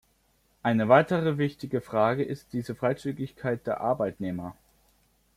Eine weitere wichtige Frage ist die Freizügigkeit der Arbeitnehmer.